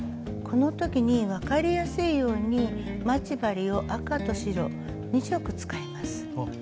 この時に分かりやすいように待ち針を赤と白２色使います。